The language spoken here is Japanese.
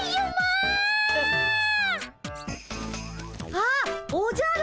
あっおじゃる。